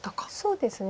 そうですね。